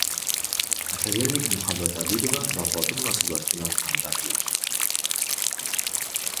Akademik Muhabbat Abidova vafoti munosabati bilan hamdardlik